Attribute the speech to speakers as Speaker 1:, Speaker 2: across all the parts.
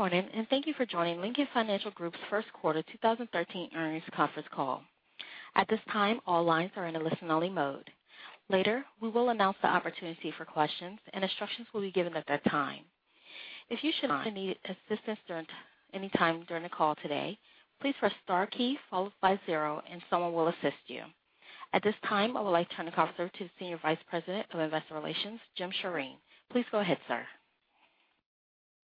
Speaker 1: Good morning. Thank you for joining Lincoln Financial Group's first quarter 2013 earnings conference call. At this time, all lines are in a listen-only mode. Later, we will announce the opportunity for questions, and instructions will be given at that time. If you should need assistance anytime during the call today, please press star key followed by 0 and someone will assist you. At this time, I would like to turn the call over to Senior Vice President of Investor Relations, Jim Shere. Please go ahead, sir.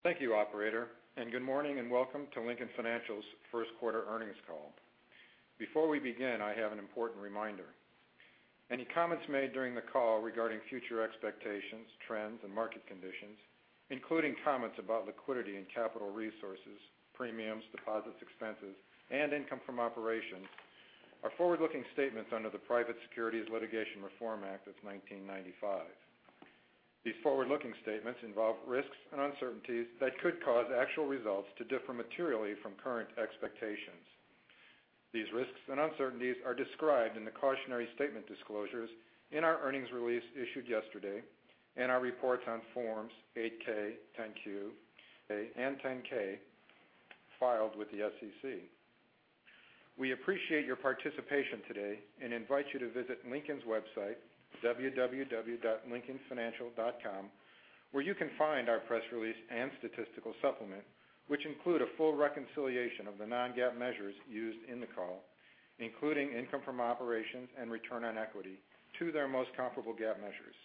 Speaker 2: Thank you, operator. Good morning, and welcome to Lincoln Financial's first quarter earnings call. Before we begin, I have an important reminder. Any comments made during the call regarding future expectations, trends, and market conditions, including comments about liquidity and capital resources, premiums, deposits, expenses, and income from operations, are forward-looking statements under the Private Securities Litigation Reform Act of 1995. These forward-looking statements involve risks and uncertainties that could cause actual results to differ materially from current expectations. These risks and uncertainties are described in the cautionary statement disclosures in our earnings release issued yesterday, and our reports on Forms 8-K, 10-Q, and 10-K filed with the SEC. We appreciate your participation today and invite you to visit Lincoln's website, www.lincolnfinancial.com, where you can find our press release and statistical supplement, which include a full reconciliation of the non-GAAP measures used in the call, including income from operations and return on equity to their most comparable GAAP measures.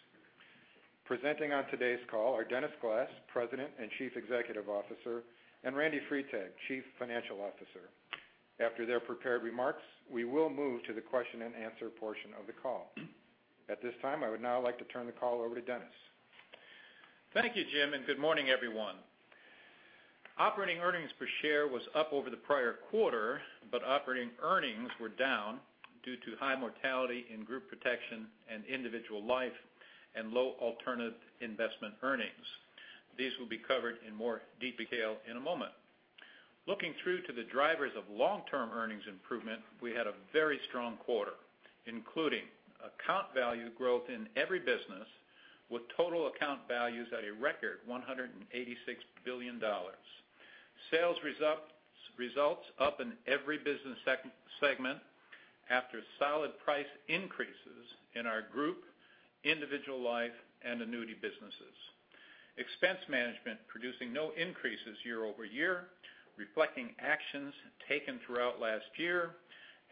Speaker 2: Presenting on today's call are Dennis Glass, President and Chief Executive Officer, and Randy Freitag, Chief Financial Officer. After their prepared remarks, we will move to the question and answer portion of the call. At this time, I would now like to turn the call over to Dennis.
Speaker 3: Thank you, Jim. Good morning, everyone. Operating earnings per share was up over the prior quarter, but operating earnings were down due to high mortality in group protection and individual life and low alternate investment earnings. These will be covered in more deep detail in a moment. Looking through to the drivers of long-term earnings improvement, we had a very strong quarter, including account value growth in every business with total account values at a record $186 billion. Sales results up in every business segment after solid price increases in our group, individual life, and annuity businesses. Expense management producing no increases year-over-year, reflecting actions taken throughout last year,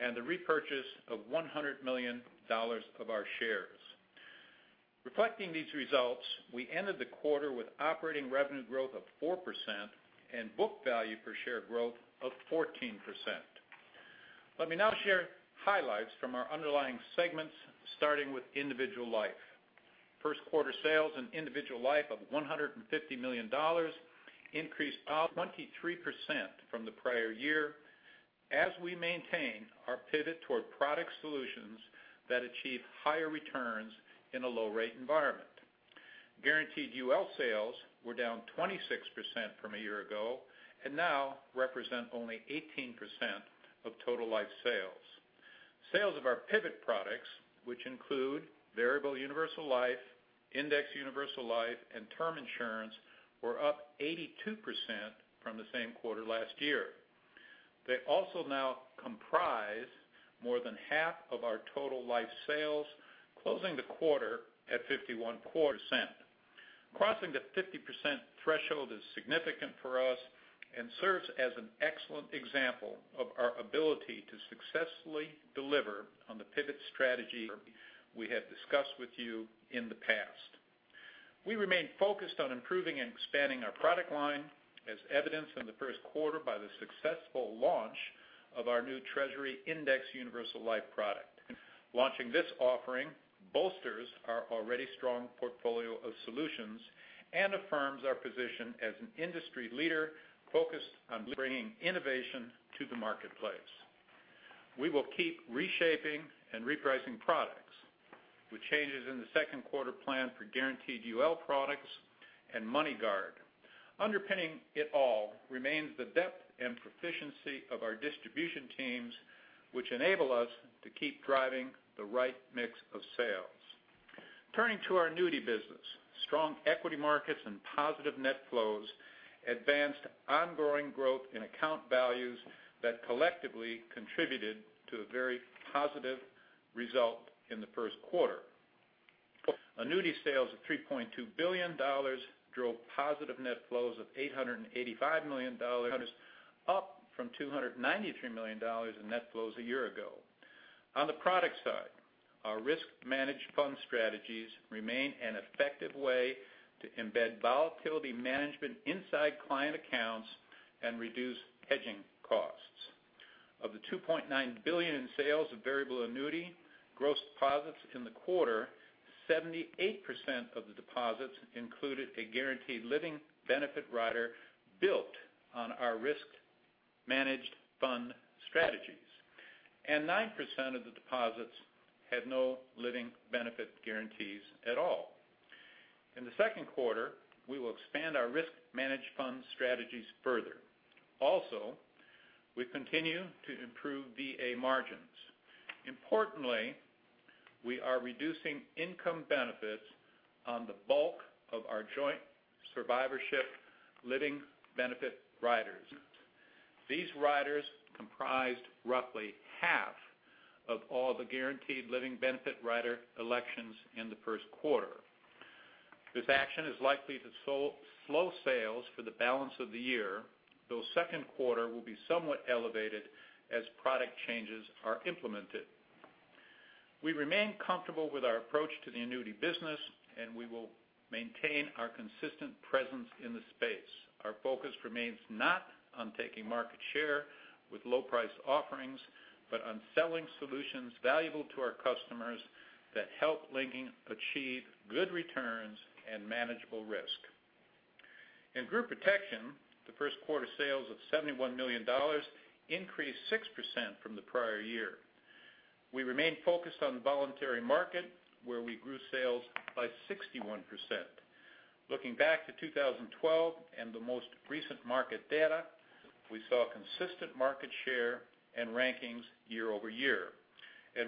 Speaker 3: and the repurchase of $100 million of our shares. Reflecting these results, we ended the quarter with operating revenue growth of 4% and book value per share growth of 14%. Let me now share highlights from our underlying segments, starting with individual life. First quarter sales in individual life of $150 million increased 23% from the prior year as we maintain our pivot toward product solutions that achieve higher returns in a low-rate environment. Guaranteed UL sales were down 26% from a year ago and now represent only 18% of total life sales. Sales of our pivot products, which include variable universal life, index universal life, and term insurance, were up 82% from the same quarter last year. They also now comprise more than half of our total life sales, closing the quarter at 51%. Crossing the 50% threshold is significant for us and serves as an excellent example of our ability to successfully deliver on the pivot strategy we have discussed with you in the past. We remain focused on improving and expanding our product line, as evidenced in the first quarter by the successful launch of our new Treasury Index Universal Life product. Launching this offering bolsters our already strong portfolio of solutions and affirms our position as an industry leader focused on bringing innovation to the marketplace. We will keep reshaping and repricing products, with changes in the second quarter plan for Guaranteed UL products and MoneyGuard. Underpinning it all remains the depth and proficiency of our distribution teams, which enable us to keep driving the right mix of sales. Turning to our annuity business, strong equity markets and positive net flows advanced ongoing growth in account values that collectively contributed to a very positive result in the first quarter. Annuity sales of $3.2 billion drove positive net flows of $885 million, up from $293 million in net flows a year ago. On the product side, our risk-managed fund strategies remain an effective way to embed volatility management inside client accounts and reduce hedging costs. Of the $2.9 billion in sales of variable annuity gross deposits in the quarter, 78% of the deposits included a guaranteed living benefit rider built on our risk-managed fund strategies, and 9% of the deposits had no living benefit guarantees at all. In the second quarter, we will expand our risk-managed fund strategies further. We continue to improve VA margins. Importantly, we are reducing income benefits on the bulk of our joint survivorship living benefit riders. These riders comprised roughly half of all the guaranteed living benefit rider elections in the first quarter. This action is likely to slow sales for the balance of the year, though second quarter will be somewhat elevated as product changes are implemented. We remain comfortable with our approach to the annuity business, and we will maintain our consistent presence in the space. Our focus remains not on taking market share with low price offerings, but on selling solutions valuable to our customers that help Lincoln achieve good returns and manageable risk. In group protection, the first quarter sales of $71 million increased 6% from the prior year. We remain focused on the voluntary market, where we grew sales by 61%. Looking back to 2012 and the most recent market data, we saw consistent market share and rankings year-over-year.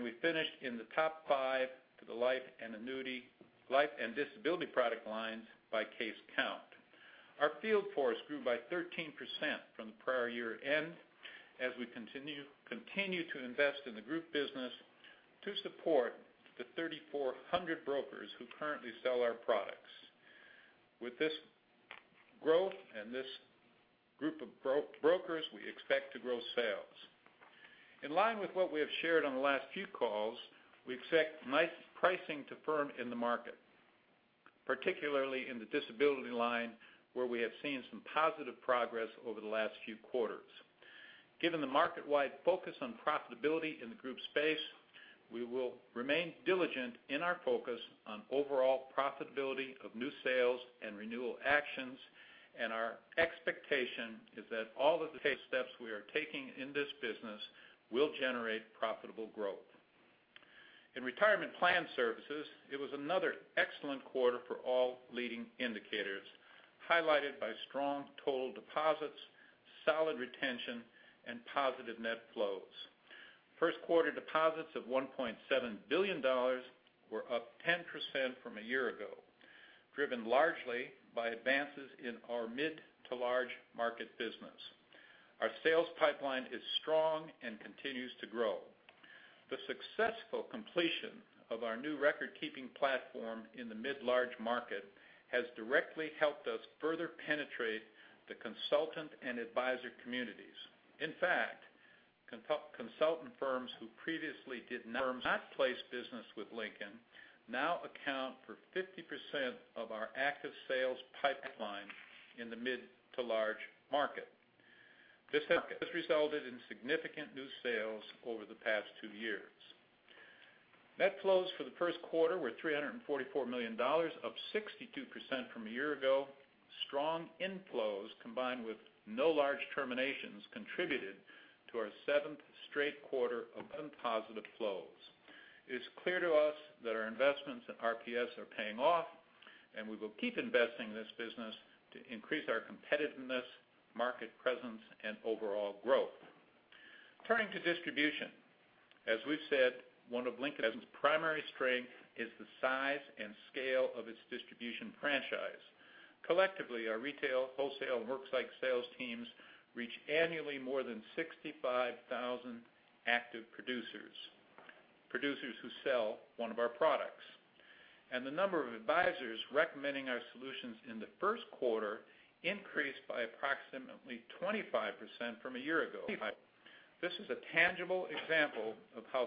Speaker 3: We finished in the top five for the life and annuity, life and disability product lines by case count. Our field force grew by 13% from the prior year end as we continue to invest in the group business to support the 3,400 brokers who currently sell our products. With this growth and this group of brokers, we expect to grow sales. In line with what we have shared on the last few calls, we expect nice pricing to firm in the market, particularly in the disability line, where we have seen some positive progress over the last few quarters. Given the market-wide focus on profitability in the group space, we will remain diligent in our focus on overall profitability of new sales and renewal actions, our expectation is that all of the steps we are taking in this business will generate profitable growth. In retirement plan services, it was another excellent quarter for all leading indicators, highlighted by strong total deposits, solid retention, and positive net flows. First quarter deposits of $1.7 billion were up 10% from a year ago, driven largely by advances in our mid to large market business. Our sales pipeline is strong and continues to grow. The successful completion of our new record-keeping platform in the mid to large market has directly helped us further penetrate the consultant and advisor communities. In fact, consultant firms who previously did not place business with Lincoln now account for 50% of our active sales pipeline in the mid to large market. This has resulted in significant new sales over the past two years. Net flows for the first quarter were $344 million, up 62% from a year ago. Strong inflows combined with no large terminations contributed to our seventh straight quarter of positive flows. It is clear to us that our investments in RPS are paying off, we will keep investing in this business to increase our competitiveness, market presence, and overall growth. Turning to distribution, as we've said, one of Lincoln's primary strength is the size and scale of its distribution franchise. Collectively, our retail, wholesale, and worksite sales teams reach annually more than 65,000 active producers who sell one of our products. The number of advisors recommending our solutions in the first quarter increased by approximately 25% from a year ago. This is a tangible example of how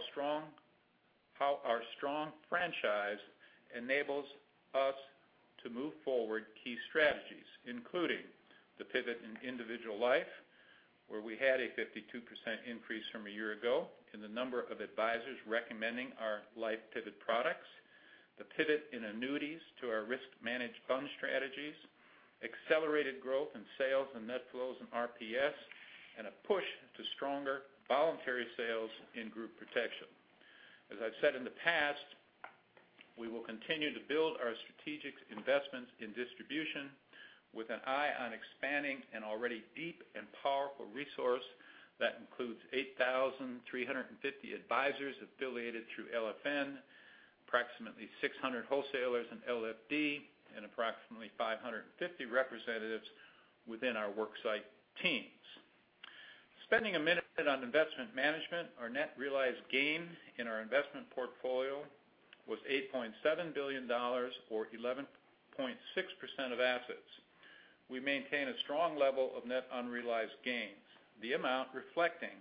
Speaker 3: our strong franchise enables us to move forward key strategies, including the pivot in individual life, where we had a 52% increase from a year ago in the number of advisors recommending our life pivot products, the pivot in annuities to our risk-managed fund strategies, accelerated growth in sales and net flows in RPS, a push to stronger voluntary sales in group protection. As I've said in the past, we will continue to build our strategic investments in distribution with an eye on expanding an already deep and powerful resource that includes 8,350 advisors affiliated through LFN, approximately 600 wholesalers in LFD, and approximately 550 representatives within our worksite teams. Spending a minute on investment management, our net realized gain in our investment portfolio was $8.7 billion or 11.6% of assets. We maintain a strong level of net unrealized gains, the amount reflecting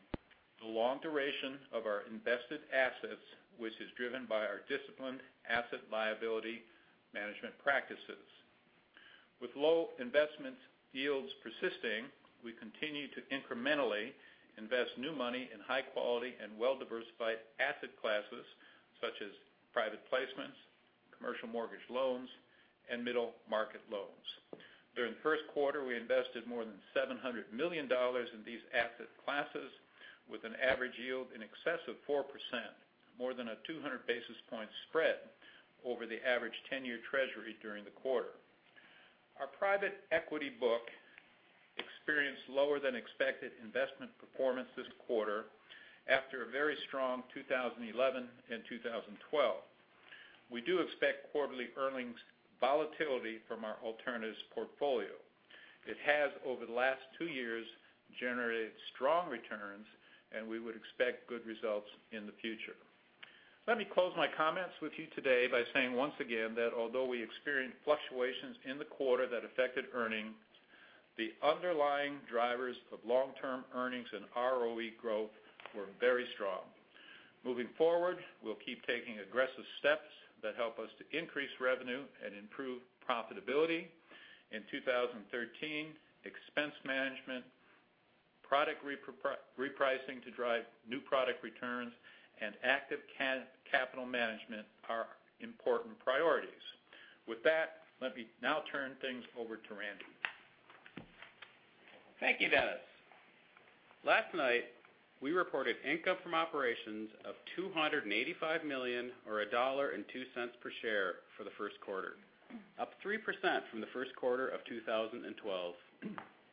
Speaker 3: the long duration of our invested assets, which is driven by our disciplined asset liability management practices. With low investment yields persisting, we continue to incrementally invest new money in high quality and well-diversified asset classes such as private placements, commercial mortgage loans, middle market loans. During the first quarter, we invested more than $700 million in these asset classes with an average yield in excess of 4%, more than a 200 basis point spread over the average 10-year Treasury during the quarter. Our private equity book experienced lower than expected investment performance this quarter after a very strong 2011 and 2012. We do expect quarterly earnings volatility from our alternatives portfolio. It has, over the last two years, generated strong returns, and we would expect good results in the future. Let me close my comments with you today by saying, once again, that although we experienced fluctuations in the quarter that affected earnings, the underlying drivers of long-term earnings and ROE growth were very strong. Moving forward, we'll keep taking aggressive steps that help us to increase revenue and improve profitability. In 2013, expense management, product repricing to drive new product returns, and active capital management are important priorities. With that, let me now turn things over to Randy.
Speaker 4: Thank you, Dennis. Last night, we reported income from operations of $285 million or $1.02 per share for the first quarter, up 3% from the first quarter of 2012.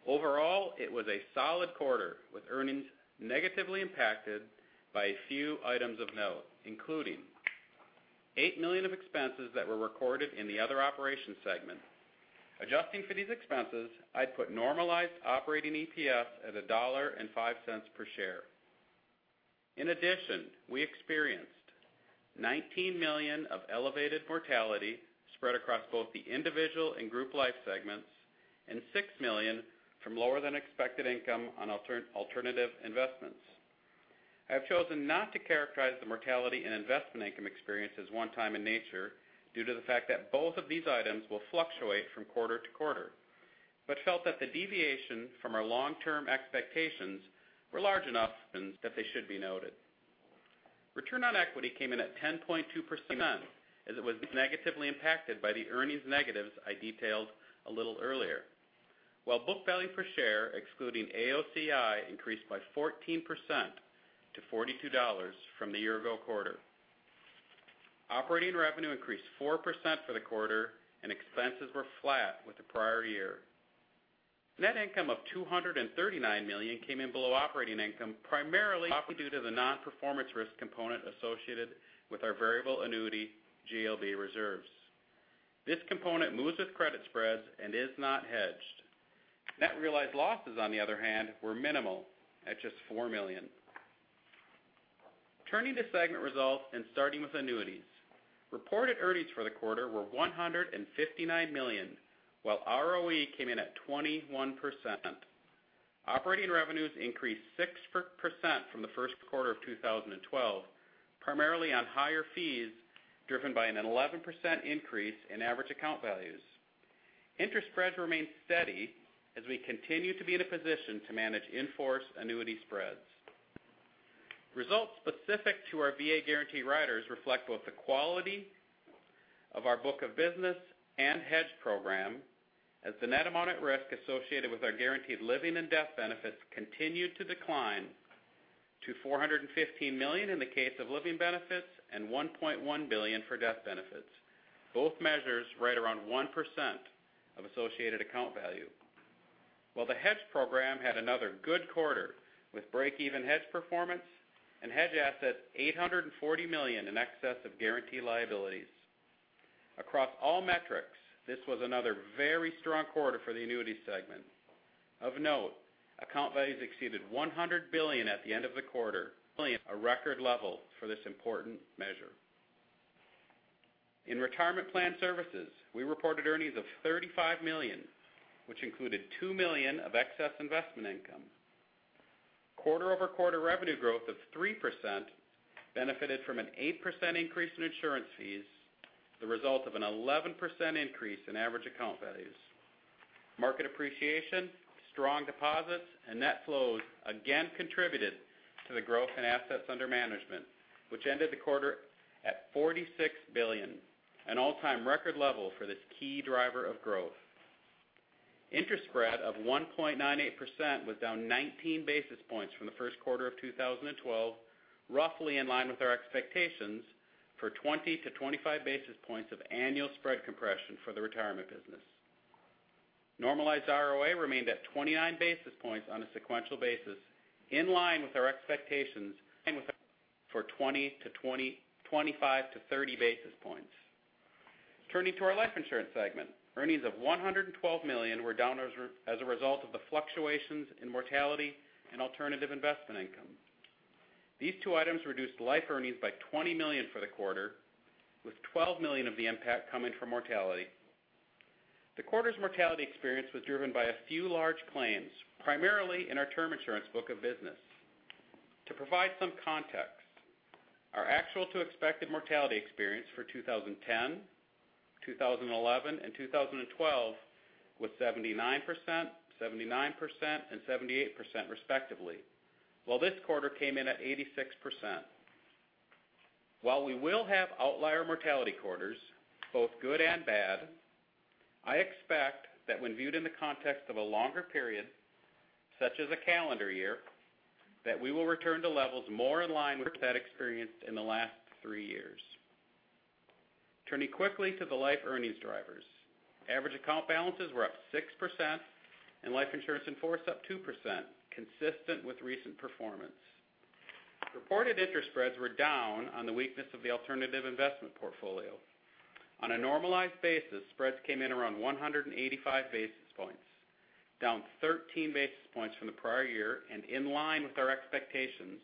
Speaker 4: Overall, it was a solid quarter, with earnings negatively impacted by a few items of note, including $8 million of expenses that were recorded in the other operations segment. Adjusting for these expenses, I'd put normalized operating EPS at $1.05 per share. In addition, we experienced $19 million of elevated mortality spread across both the individual and group life segments and $6 million from lower than expected income on alternative investments. I have chosen not to characterize the mortality and investment income experience as one time in nature due to the fact that both of these items will fluctuate from quarter to quarter, but felt that the deviation from our long-term expectations were large enough that they should be noted. Return on equity came in at 10.2%, as it was negatively impacted by the earnings negatives I detailed a little earlier. While book value per share, excluding AOCI, increased by 14% to $42 from the year ago quarter. Operating revenue increased 4% for the quarter and expenses were flat with the prior year. Net income of $239 million came in below operating income, primarily due to the non-performance risk component associated with our variable annuity GLB reserves. This component moves with credit spreads and is not hedged. Net realized losses, on the other hand, were minimal at just $4 million. Turning to segment results and starting with annuities. Reported earnings for the quarter were $159 million while ROE came in at 21%. Operating revenues increased 6% from the first quarter of 2012, primarily on higher fees, driven by an 11% increase in average account values. Interest spreads remained steady as we continue to be in a position to manage in-force annuity spreads. Results specific to our VA guarantee riders reflect both the quality of our book of business and hedge program as the net amount at risk associated with our guaranteed living and death benefits continued to decline to $415 million in the case of living benefits and $1.1 billion for death benefits, both measures right around 1% of associated account value. The hedge program had another good quarter, with break-even hedge performance and hedge assets $840 million in excess of guarantee liabilities. Across all metrics, this was another very strong quarter for the annuity segment. Of note, account values exceeded $100 billion at the end of the quarter, a record level for this important measure. In retirement plan services, we reported earnings of $35 million, which included $2 million of excess investment income. Quarter-over-quarter revenue growth of 3% benefited from an 8% increase in insurance fees, the result of an 11% increase in average account values. Market appreciation, strong deposits, and net flows again contributed to the growth in assets under management, which ended the quarter at $46 billion, an all-time record level for this key driver of growth. Interest spread of 1.98% was down 19 basis points from the first quarter of 2012, roughly in line with our expectations for 20 to 25 basis points of annual spread compression for the retirement business. Normalized ROA remained at 29 basis points on a sequential basis, in line with our expectations for 25 to 30 basis points. Turning to our life insurance segment. Earnings of $112 million were down as a result of the fluctuations in mortality and alternative investment income. These two items reduced life earnings by $20 million for the quarter, with $12 million of the impact coming from mortality. The quarter's mortality experience was driven by a few large claims, primarily in our term insurance book of business. To provide some context, our actual to expected mortality experience for 2010, 2011, and 2012 was 79%, 79%, and 78% respectively. This quarter came in at 86%. While we will have outlier mortality quarters, both good and bad, I expect that when viewed in the context of a longer period, such as a calendar year, that we will return to levels more in line with that experienced in the last three years. Turning quickly to the life earnings drivers. Average account balances were up 6%, and life insurance in force up 2%, consistent with recent performance. Reported interest spreads were down on the weakness of the alternative investment portfolio. On a normalized basis, spreads came in around 185 basis points, down 13 basis points from the prior year and in line with our expectations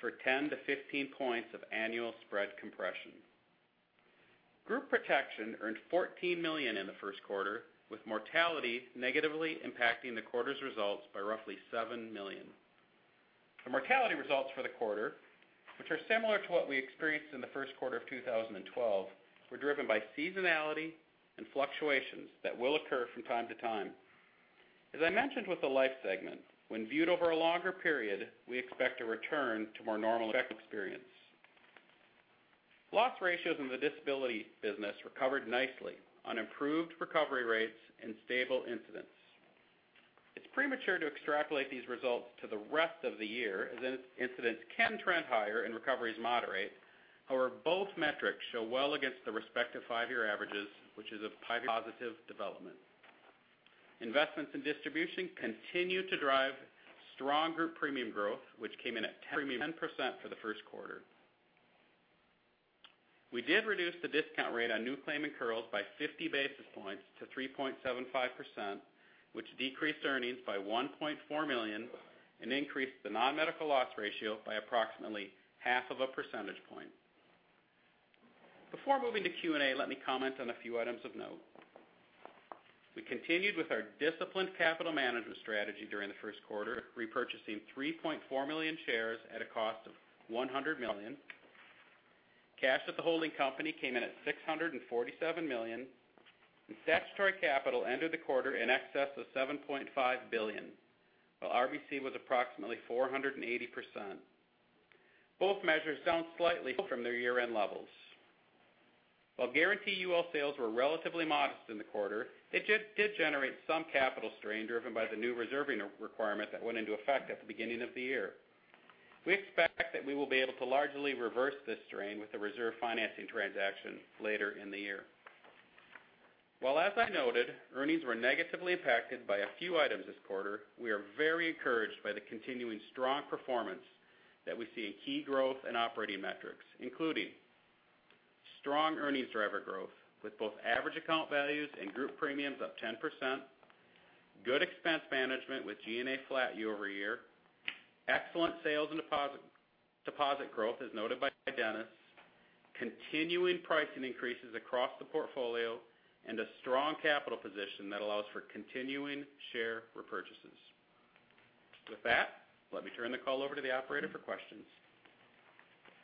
Speaker 4: for 10 to 15 points of annual spread compression. Group protection earned $14 million in the first quarter, with mortality negatively impacting the quarter's results by roughly $7 million. The mortality results for the quarter, which are similar to what we experienced in the first quarter of 2012, were driven by seasonality and fluctuations that will occur from time to time. As I mentioned with the life segment, when viewed over a longer period, we expect a return to more normal experience. Loss ratios in the disability business recovered nicely on improved recovery rates and stable incidents. It's premature to extrapolate these results to the rest of the year, as incidents can trend higher and recoveries moderate. Both metrics show well against the respective five-year averages, which is a highly positive development. Investments in distribution continue to drive stronger premium growth, which came in at 10% for the first quarter. We did reduce the discount rate on new claim incurrals by 50 basis points to 3.75%, which decreased earnings by $1.4 million and increased the non-medical loss ratio by approximately half of a percentage point. Before moving to Q&A, let me comment on a few items of note. We continued with our disciplined capital management strategy during the first quarter, repurchasing 3.4 million shares at a cost of $100 million. Cash at the holding company came in at $647 million, and statutory capital ended the quarter in excess of $7.5 billion, while RBC was approximately 480%. Both measures down slightly from their year-end levels. Guaranteed UL sales were relatively modest in the quarter, it did generate some capital strain driven by the new reserving requirement that went into effect at the beginning of the year. We expect that we will be able to largely reverse this strain with the reserve financing transaction later in the year. As I noted, earnings were negatively impacted by a few items this quarter, we are very encouraged by the continuing strong performance that we see in key growth and operating metrics, including strong earnings driver growth, with both average account values and group premiums up 10%, good expense management with G&A flat year-over-year, excellent sales and deposit growth, as noted by Dennis, continuing pricing increases across the portfolio, and a strong capital position that allows for continuing share repurchases. Let me turn the call over to the operator for questions.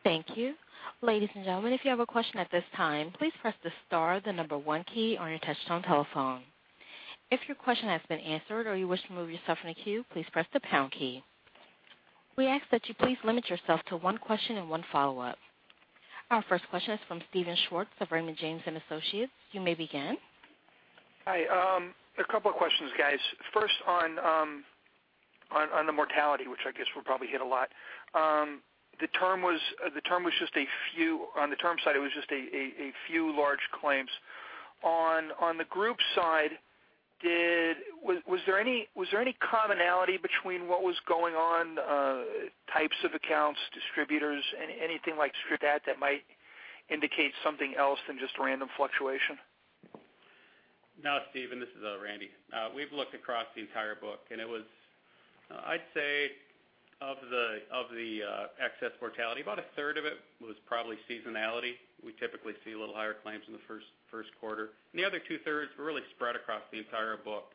Speaker 1: Thank you. Ladies and gentlemen, if you have a question at this time, please press the star, the number 1 key on your touchtone telephone. If your question has been answered or you wish to remove yourself from the queue, please press the pound key. We ask that you please limit yourself to one question and one follow-up. Our first question is from Steven Schwartz of Raymond James & Associates. You may begin.
Speaker 5: Hi. A couple of questions, guys. On the mortality, which I guess will probably hit a lot. On the term side, it was just a few large claims. On the group side, was there any commonality between what was going on, types of accounts, distributors, anything like that that might indicate something else than just random fluctuation?
Speaker 4: No, Steven, this is Randy. We've looked across the entire book, and it was, I'd say, of the excess mortality, about a third of it was probably seasonality. We typically see a little higher claims in the first quarter. The other two-thirds were really spread across the entire book.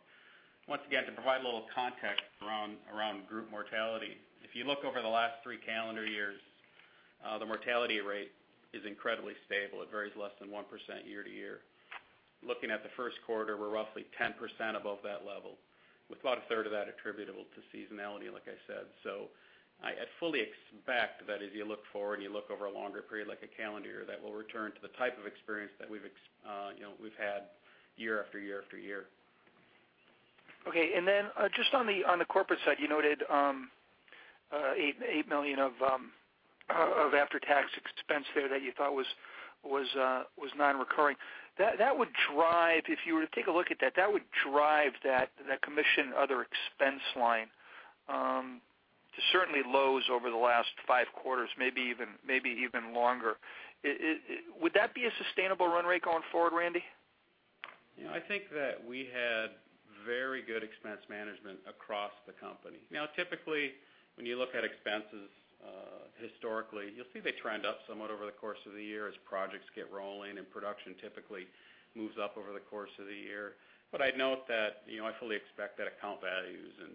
Speaker 4: Once again, to provide a little context around group mortality, if you look over the last three calendar years, the mortality rate is incredibly stable. It varies less than 1% year-to-year. Looking at the first quarter, we're roughly 10% above that level, with about a third of that attributable to seasonality, like I said. I fully expect that as you look forward and you look over a longer period, like a calendar year, that will return to the type of experience that we've had year after year after year.
Speaker 5: Okay, then just on the corporate side, you noted $8 million of after-tax expense there that you thought was non-recurring. If you were to take a look at that would drive that commission other expense line to certainly lows over the last five quarters, maybe even longer. Would that be a sustainable run rate going forward, Randy?
Speaker 4: Yeah, I think that we had very good expense management across the company. Now, typically, when you look at expenses historically, you'll see they trend up somewhat over the course of the year as projects get rolling and production typically moves up over the course of the year. I'd note that I fully expect that account values and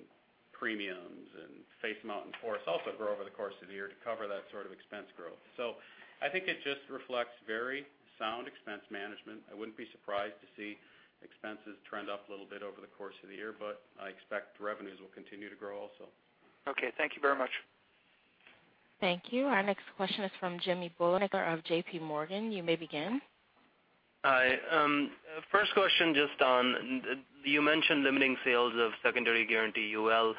Speaker 4: premiums and face amount in force also grow over the course of the year to cover that sort of expense growth. I think it just reflects very sound expense management. I wouldn't be surprised to see expenses trend up a little bit over the course of the year, but I expect revenues will continue to grow also.
Speaker 5: Okay, thank you very much.
Speaker 1: Thank you. Our next question is from Jimmy Bhullar of JPMorgan. You may begin.
Speaker 6: Hi. First question, you mentioned limiting sales of secondary guaranteed UL.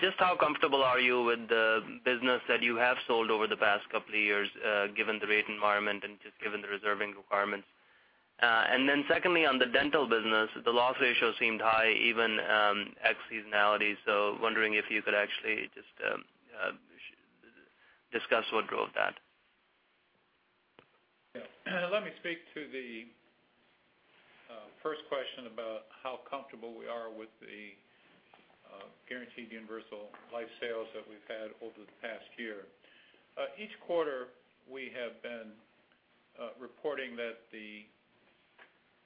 Speaker 6: Just how comfortable are you with the business that you have sold over the past couple of years, given the rate environment and just given the reserving requirements? Secondly, on the dental business, the loss ratio seemed high even ex-seasonality. Wondering if you could actually just discuss what drove that.
Speaker 3: Yeah. Let me speak to the first question about how comfortable we are with the guaranteed universal life sales that we've had over the past year. Each quarter, we have been reporting that the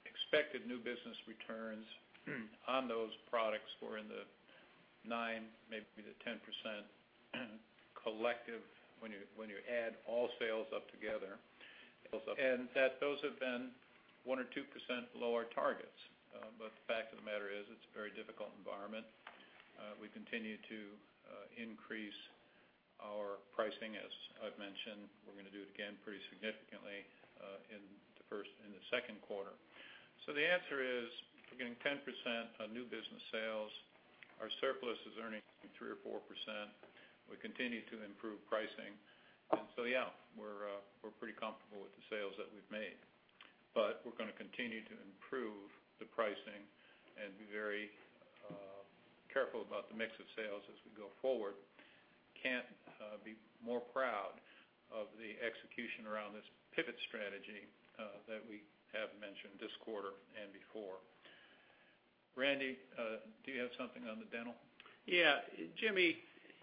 Speaker 3: expected new business returns on those products were in the 9%, maybe the 10% collective when you add all sales up together. Those have been 1% or 2% below our targets. The fact of the matter is, it's a very difficult environment. We continue to increase our pricing, as I've mentioned. We're going to do it again pretty significantly in the second quarter. The answer is, we're getting 10% on new business sales. Our surplus is earning 3% or 4%. We continue to improve pricing. Yeah, we're pretty comfortable with the sales that we've made. We're going to continue to improve the pricing and be very careful about the mix of sales as we go forward. Can't be more proud of the execution around this pivot strategy that we have mentioned this quarter and before. Randy, do you have something on the dental?
Speaker 4: Yeah. Jimmy,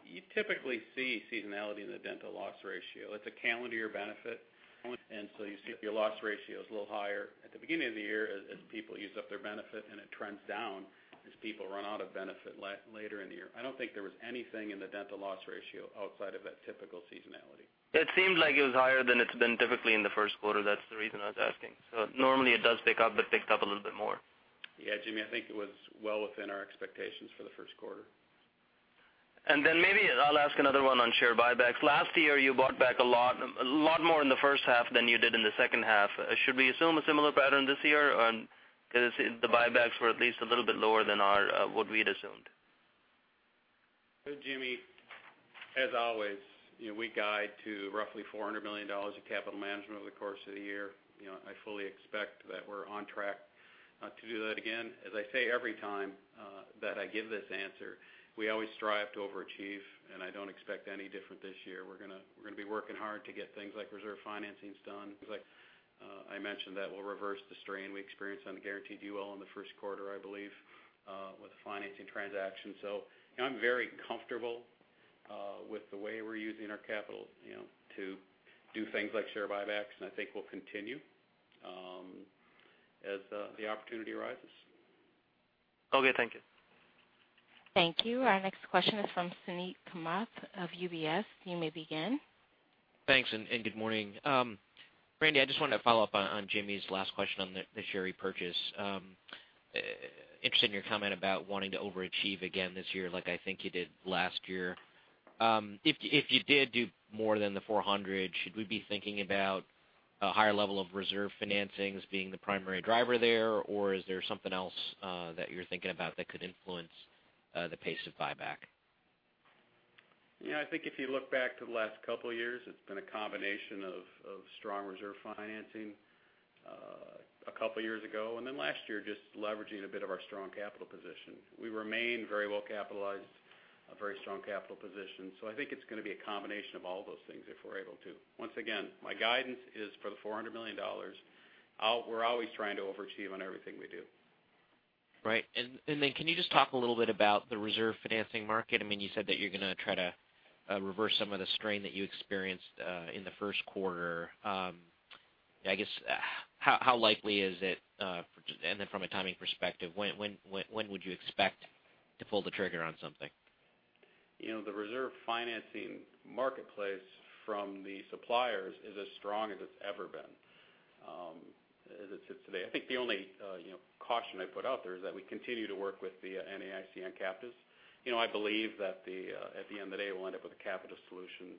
Speaker 4: you typically see seasonality in the dental loss ratio. It's a calendar year benefit. You see your loss ratio is a little higher at the beginning of the year as people use up their benefit, and it trends down as people run out of benefit later in the year. I don't think there was anything in the dental loss ratio outside of that typical seasonality.
Speaker 6: It seemed like it was higher than it's been typically in the first quarter. That's the reason I was asking. Normally it does pick up, but it picked up a little bit more.
Speaker 4: Yeah, Jimmy, I think it was well within our expectations for the first quarter.
Speaker 6: Maybe I'll ask another one on share buybacks. Last year you bought back a lot more in the first half than you did in the second half. Should we assume a similar pattern this year? The buybacks were at least a little bit lower than what we'd assumed.
Speaker 3: Jimmy, as always, we guide to roughly $400 million of capital management over the course of the year. I fully expect that we are on track to do that again. As I say every time that I give this answer, we always strive to overachieve, and I do not expect any different this year. We are going to be working hard to get things like reserve financings done. Things like I mentioned, that will reverse the strain we experienced on the Guaranteed UL in the first quarter, I believe, with the financing transaction. So I am very comfortable with the way we are using our capital to do things like share buybacks, and I think we will continue as the opportunity arises.
Speaker 6: Okay, thank you.
Speaker 1: Thank you. Our next question is from Suneet Kamath of UBS. You may begin.
Speaker 7: Thanks. Good morning. Randy, I just wanted to follow up on Jimmy's last question on the share repurchase. Interested in your comment about wanting to overachieve again this year like I think you did last year. If you did do more than the $400 million, should we be thinking about a higher level of reserve financings being the primary driver there, or is there something else that you are thinking about that could influence the pace of buyback?
Speaker 4: I think if you look back to the last couple of years, it's been a combination of strong reserve financing a couple of years ago, then last year, just leveraging a bit of our strong capital position. We remain very well capitalized, a very strong capital position. I think it's going to be a combination of all those things if we're able to. Once again, my guidance is for the $400 million. We're always trying to overachieve on everything we do.
Speaker 7: Right. Can you just talk a little bit about the reserve financing market? You said that you're going to try to reverse some of the strain that you experienced in the first quarter. I guess, how likely is it, from a timing perspective, when would you expect to pull the trigger on something?
Speaker 4: The reserve financing marketplace from the suppliers is as strong as it's ever been, as it sits today. I think the only caution I'd put out there is that we continue to work with the NAIC on captives. I believe that at the end of the day, we'll end up with a captive solution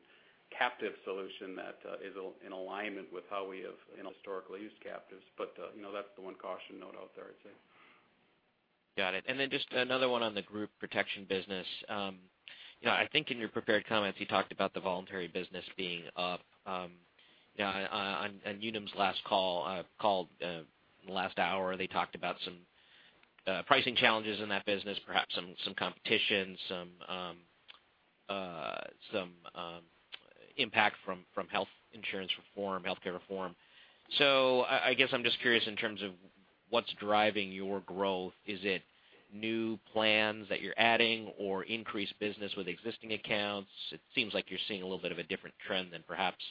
Speaker 4: that is in alignment with how we have historically used captives. That's the one caution note out there, I'd say.
Speaker 7: Got it. Just another one on the group protection business. I think in your prepared comments, you talked about the voluntary business being up. On Unum's last call, in the last hour, they talked about some pricing challenges in that business, perhaps some competition, some impact from healthcare reform. I guess I'm just curious in terms of what's driving your growth. Is it new plans that you're adding or increased business with existing accounts? It seems like you're seeing a little bit of a different trend than perhaps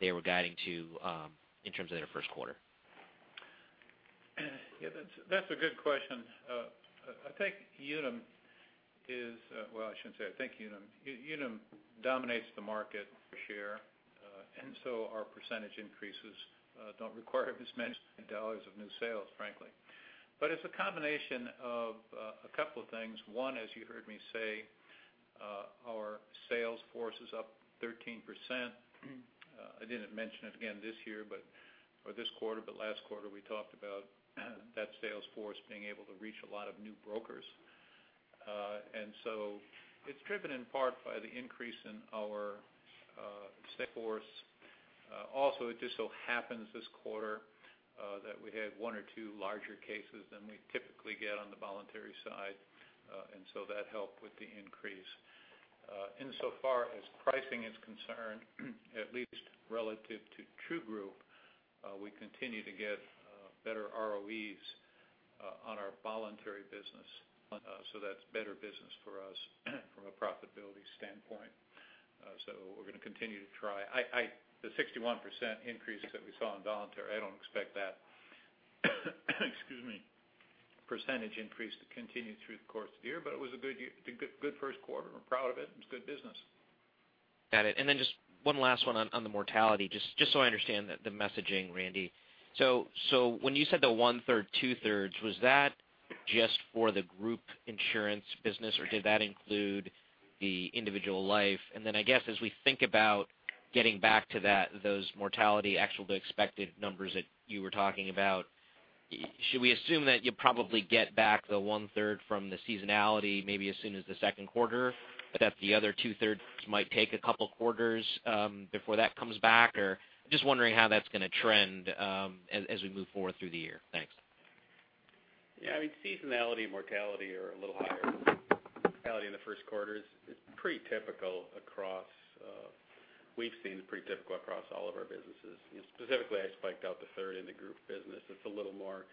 Speaker 7: they were guiding to in terms of their first quarter.
Speaker 3: Yeah, that's a good question. I think Unum. Well, I shouldn't say I think Unum. Unum dominates the market share, our % increases don't require as many dollars of new sales, frankly. It's a combination of a couple of things. One, as you heard me say, our sales force is up 13%. I didn't mention it again this year, or this quarter, but last quarter, we talked about that sales force being able to reach a lot of new brokers. It's driven in part by the increase in our workforce. Also, it just so happens this quarter that we had one or two larger cases than we typically get on the voluntary side. That helped with the increase. Insofar as pricing is concerned, at least relative to True Group, we continue to get better ROEs on our voluntary business. That's better business for us from a profitability standpoint. We're going to continue to try. The 61% increases that we saw in voluntary, I don't expect that % increase to continue through the course of the year, but it was a good first quarter. We're proud of it, and it's good business.
Speaker 7: Got it. Just one last one on the mortality, just so I understand the messaging, Randy. When you said the one-third, two-thirds, was that just for the group insurance business, or did that include the individual life? I guess as we think about getting back to those mortality actual to expected numbers that you were talking about, should we assume that you'll probably get back the one-third from the seasonality maybe as soon as the second quarter, but that the other two-thirds might take a couple quarters before that comes back? Just wondering how that's going to trend as we move forward through the year. Thanks.
Speaker 4: Yeah. Seasonality and mortality are a little higher. Mortality in the first quarter is pretty typical across. We've seen it's pretty typical across all of our businesses. Specifically, I spiked out the third in the group business. It's a little more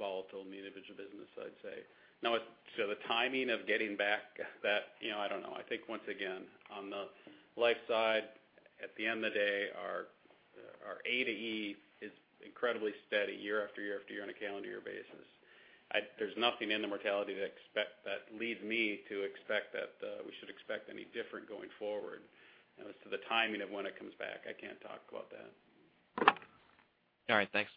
Speaker 4: volatile than the individual business, I'd say. The timing of getting back that, I don't know. I think once again, on the life side, at the end of the day, our A to E is incredibly steady year after year after year on a calendar year basis. There's nothing in the mortality that leads me to expect that we should expect any different going forward. As to the timing of when it comes back, I can't talk about that.
Speaker 7: All right. Thanks.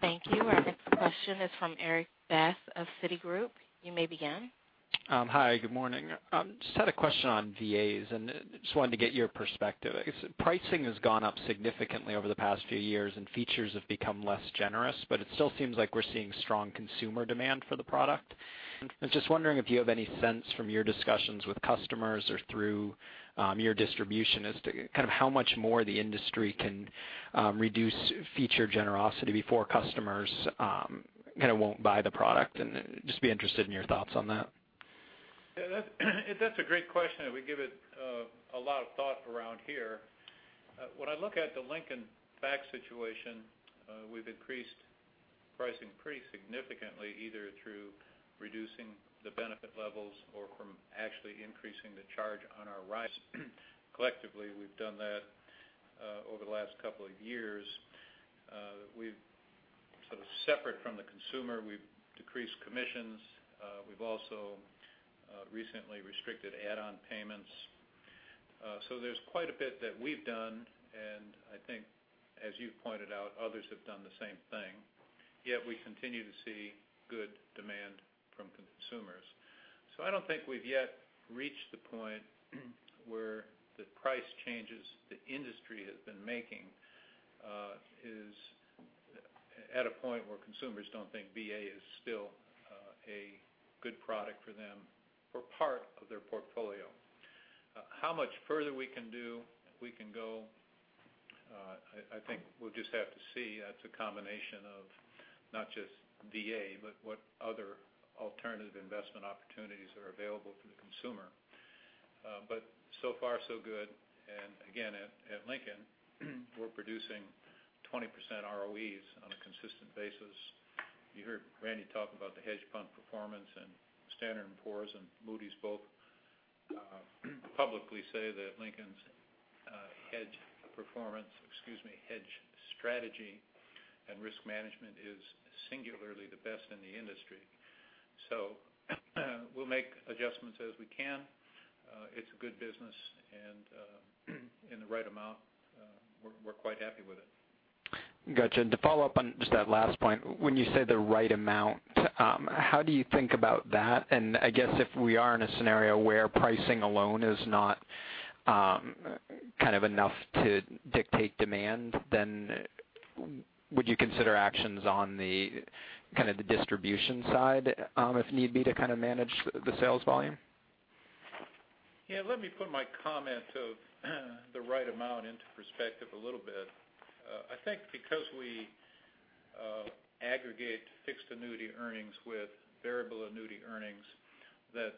Speaker 1: Thank you. Our next question is from Eric Berg of Citigroup. You may begin.
Speaker 8: Hi, good morning. Just had a question on VAs and just wanted to get your perspective. Pricing has gone up significantly over the past few years and features have become less generous, but it still seems like we're seeing strong consumer demand for the product. I'm just wondering if you have any sense from your discussions with customers or through your distribution as to how much more the industry can reduce feature generosity before customers won't buy the product, and just be interested in your thoughts on that.
Speaker 3: Yeah. That's a great question, and we give it a lot of thought around here. When I look at the Lincoln fact situation, we've increased pricing pretty significantly, either through reducing the benefit levels or from actually increasing the charge on our rise. Collectively, we've done that over the last couple of years. Sort of separate from the consumer, we've decreased commissions. We've also recently restricted add-on payments. There's quite a bit that we've done, and I think as you pointed out, others have done the same thing, yet we continue to see good demand from consumers. I don't think we've yet reached the point where the price changes the industry has been making is at a point where consumers don't think VA is still a good product for them for part of their portfolio. How much further we can go, I think we'll just have to see. That's a combination of not just VA, but what other alternative investment opportunities are available to the consumer. So far so good, and again, at Lincoln, we're producing 20% ROEs on a consistent basis. You heard Randy talk about the hedge fund performance, and Standard & Poor's and Moody's both publicly say that Lincoln's hedge strategy and risk management is singularly the best in the industry. We'll make adjustments as we can. It's a good business, and in the right amount, we're quite happy with it.
Speaker 8: Got you. To follow up on just that last point, when you say the right amount, how do you think about that? I guess if we are in a scenario where pricing alone is not enough to dictate demand, then would you consider actions on the distribution side if need be to manage the sales volume?
Speaker 3: Let me put my comment of the right amount into perspective a little bit. I think because we aggregate fixed annuity earnings with variable annuity earnings, that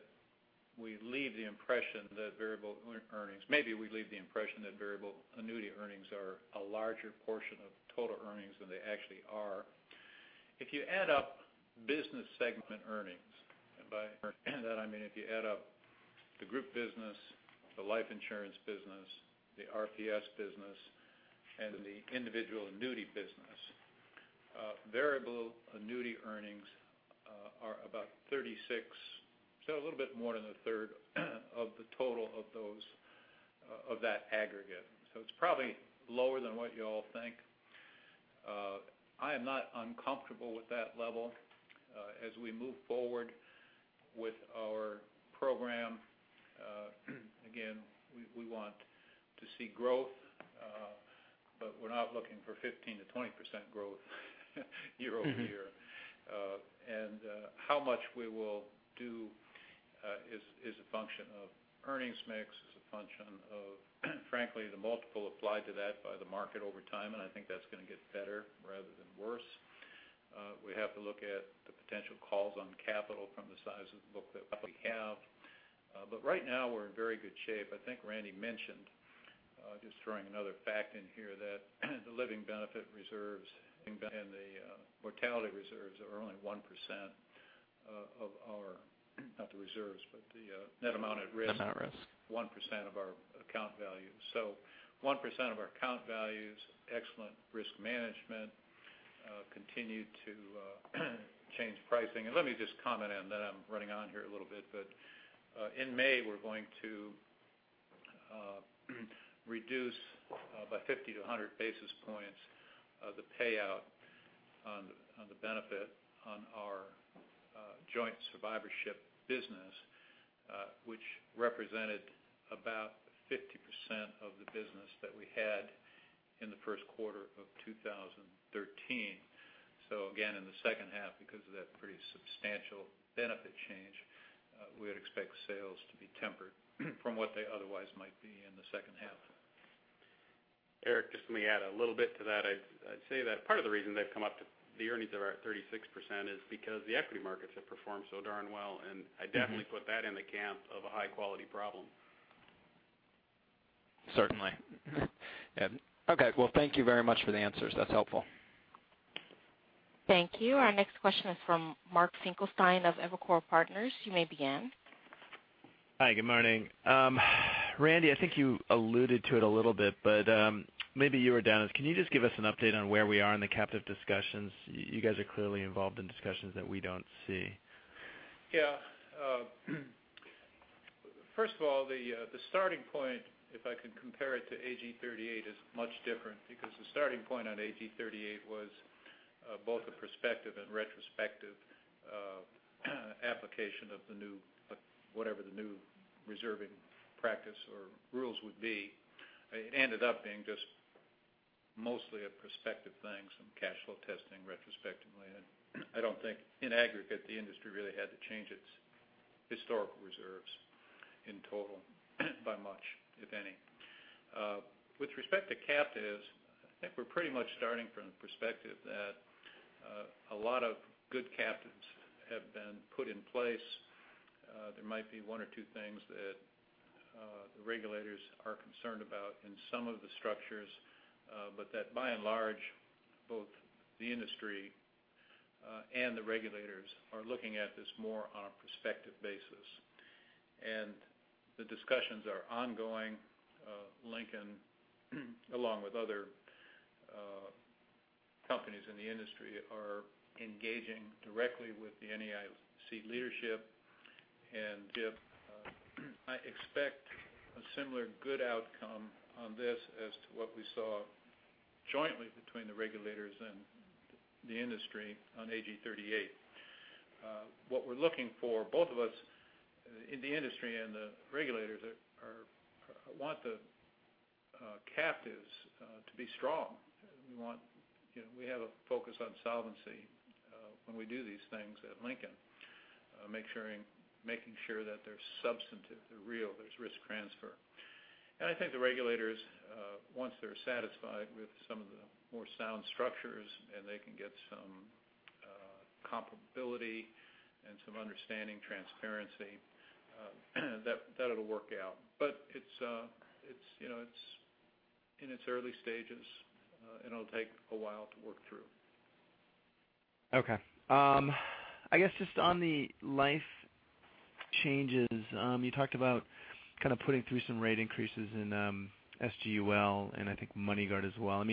Speaker 3: maybe we leave the impression that variable annuity earnings are a larger portion of total earnings than they actually are. If you add up business segment earnings, and by that I mean if you add up the group business, the life insurance business, the RPS business, and the individual annuity business, variable annuity earnings are about 36%, so a little bit more than a third of the total of that aggregate. It's probably lower than what you all think. I am not uncomfortable with that level. As we move forward with our program, again, we want to see growth, but we're not looking for 15%-20% growth year-over-year. How much we will do is a function of earnings mix, is a function of, frankly, the multiple applied to that by the market over time, I think that's going to get better rather than worse. We have to look at the potential calls on capital from the size of the book that we have. Right now, we're in very good shape. I think Randy mentioned, just throwing another fact in here, that the living benefit reserves and the mortality reserves are only 1% of our, not the reserves, but the net amount at risk.
Speaker 4: Net amount at risk 1% of our account value. 1% of our account values, excellent risk management, continue to change pricing. Let me just comment on that. I'm running on here a little bit, but in May, we're going to reduce by 50-100 basis points of the payout on the benefit on our joint survivorship business, which represented about 50% of the business that we had in the first quarter of 2013. Again, in the second half, because of that pretty substantial benefit change, we would expect sales to be tempered from what they otherwise might be in the second half. Eric, just let me add a little bit to that. I'd say that part of the reason they've come up to the earnings that are at 36% is because the equity markets have performed so darn well, and I definitely put that in the camp of a high-quality problem.
Speaker 8: Certainly. Okay. Well, thank you very much for the answers. That's helpful.
Speaker 1: Thank you. Our next question is from Mark Finkelstein of Evercore Partners. You may begin.
Speaker 9: Hi, good morning. Randy, I think you alluded to it a little bit, maybe you or Dennis, can you just give us an update on where we are in the captive discussions? You guys are clearly involved in discussions that we don't see.
Speaker 3: First of all, the starting point, if I could compare it to AG 38, is much different because the starting point on AG 38 was both a prospective and retrospective application of whatever the new reserving practice or rules would be. It ended up being just mostly a prospective thing, some cash flow testing retrospectively. I don't think, in aggregate, the industry really had to change its historical reserves in total by much, if any. With respect to captives, I think we're pretty much starting from the perspective that a lot of good captives have been put in place. There might be one or two things that the regulators are concerned about in some of the structures. That by and large, both the industry and the regulators are looking at this more on a prospective basis. The discussions are ongoing. Lincoln, along with other companies in the industry, are engaging directly with the NAIC leadership. I expect a similar good outcome on this as to what we saw jointly between the regulators and the industry on AG 38. What we're looking for, both of us in the industry and the regulators want the captives to be strong. We have a focus on solvency when we do these things at Lincoln making sure that they're substantive, they're real, there's risk transfer. I think the regulators, once they're satisfied with some of the more sound structures and they can get some comparability and some understanding, transparency, that it'll work out. It's in its early stages, and it'll take a while to work through.
Speaker 9: Okay. I guess just on the life changes, you talked about kind of putting through some rate increases in SGUL and I think MoneyGuard as well.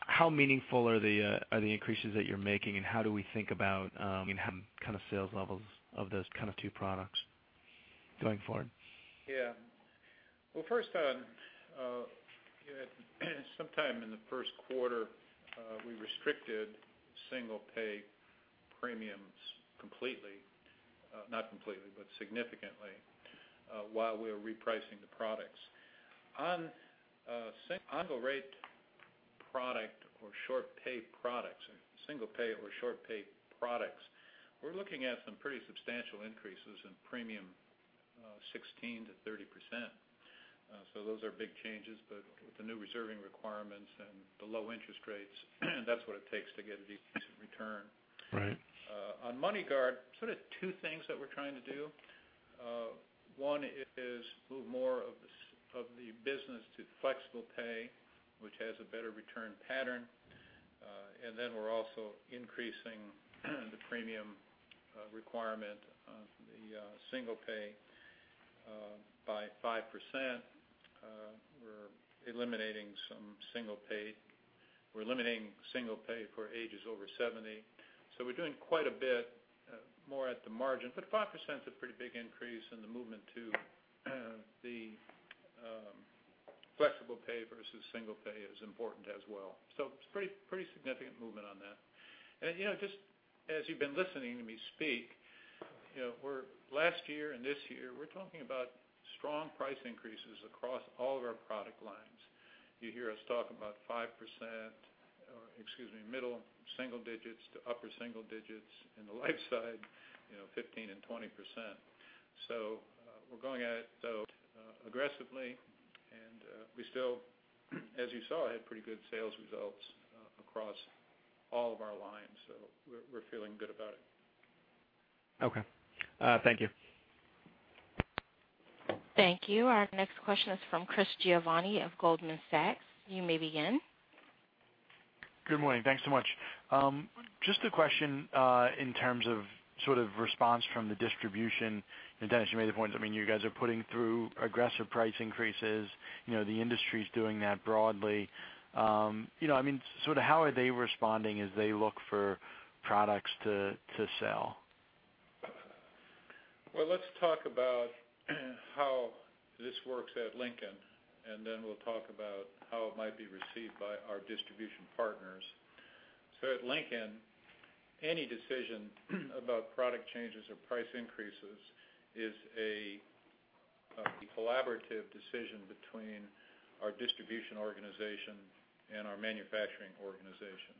Speaker 9: How meaningful are the increases that you're making, and how do we think about the kind of sales levels of those two products going forward?
Speaker 3: Yeah. Well, first, sometime in the first quarter, we restricted single-pay premiums completely. Not completely, but significantly while we were repricing the products. On the rate product or short-pay products, or single-pay or short-pay products, we're looking at some pretty substantial increases in premium, 16%-30%. Those are big changes, but with the new reserving requirements and the low interest rates, that's what it takes to get a decent return.
Speaker 9: Right.
Speaker 3: On MoneyGuard, sort of two things that we're trying to do. One is move more of the business to flexible pay, which has a better return pattern. We're also increasing the premium requirement The single pay by 5%. We're eliminating single pay for ages over 70. We're doing quite a bit more at the margin, but 5% is a pretty big increase in the movement to the flexible pay versus single pay is important as well. It's pretty significant movement on that. Just as you've been listening to me speak, last year and this year, we're talking about strong price increases across all of our product lines. You hear us talk about 5% or, excuse me, middle single digits to upper single digits. In the life side, 15 and 20%. We're going at it aggressively, and we still, as you saw, had pretty good sales results across all of our lines, we're feeling good about it.
Speaker 9: Okay. Thank you.
Speaker 1: Thank you. Our next question is from Chris Giovanni of Goldman Sachs. You may begin.
Speaker 10: Good morning. Thanks so much. Just a question in terms of sort of response from the distribution. Dennis, you made the point, you guys are putting through aggressive price increases. The industry's doing that broadly. How are they responding as they look for products to sell?
Speaker 3: Well, let's talk about how this works at Lincoln, and then we'll talk about how it might be received by our distribution partners. At Lincoln, any decision about product changes or price increases is a collaborative decision between our distribution organization and our manufacturing organization.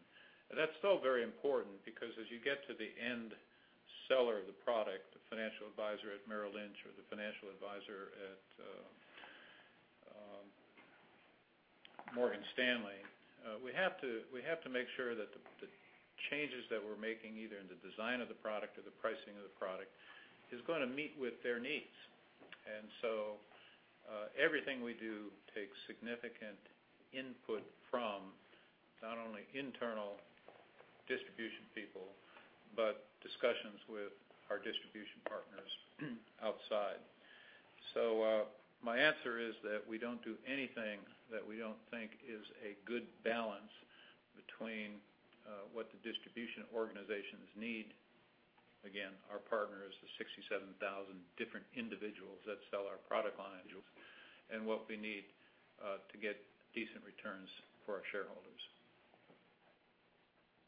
Speaker 3: That's still very important because as you get to the end seller of the product, the financial advisor at Merrill Lynch or the financial advisor at Morgan Stanley, we have to make sure that the changes that we're making, either in the design of the product or the pricing of the product, is going to meet with their needs. Everything we do takes significant input from not only internal distribution people, but discussions with our distribution partners outside. My answer is that we don't do anything that we don't think is a good balance between what the distribution organizations need, again, our partners, the 67,000 different individuals that sell our product line, and what we need to get decent returns for our shareholders.